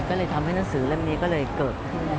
ก็เลยทำให้หนังสือเล่มนี้ก็เลยเกิดขึ้น